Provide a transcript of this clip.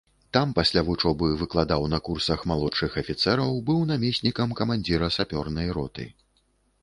Там пасля вучобы выкладаў на курсах малодшых афіцэраў, быў намеснікам камандзіра сапёрнай роты.